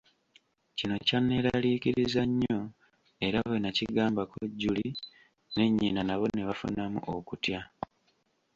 Kino kyanneraliikiriza nnyo era bwe nakigambako Julie ne nnyina nabo ne bafunamu okutya.